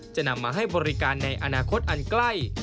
จะนำมาให้บริการในอนาคตอันใกล้